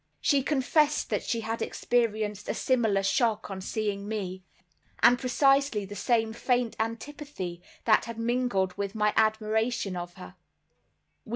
She confessed that she had experienced a similar shock on seeing me, and precisely the same faint antipathy that had mingled with my admiration of her.